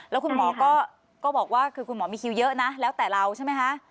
แล้วคุณหมอก็บอกว่าคือคุณหมอมีคิวเยอะนะแล้วแต่เราใช่ไหมคะ